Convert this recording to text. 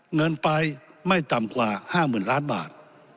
เงินไปไม่ต่ำกว่าห้าหมื่นล้านบาท